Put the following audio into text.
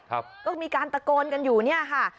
ก็มีการตะโกนกันอยู่เนี่ยค่ะ